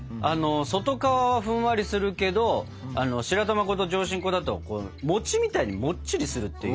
外皮はふんわりするけど白玉粉と上新粉だと餅みたいにもっちりするっていうイメージなのかな。